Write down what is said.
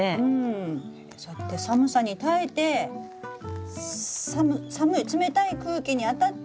そうやって寒さに耐えてさむ寒い冷たい空気にあたって。